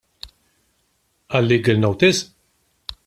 Għal-legal notice?